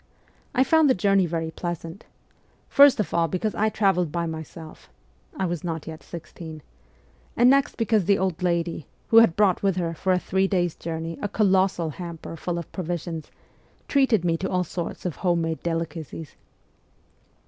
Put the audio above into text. I found the journey very pleasant first of all because I travelled by myself (I was not yet sixteen), and next because the old lady, who had brought with her for a three days' journey a colossal hamper full of provisions, treated me to all sorts of home made delicacies.